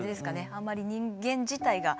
あんまり人間自体が。